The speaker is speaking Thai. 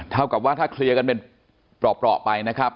เท่ากับว่าถ้าเคลียร์กันเป็นเปราะไปนะครับ